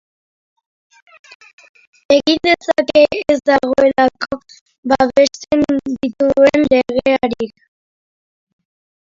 Egin dezake, ez dagoelako babesten dituen legerik.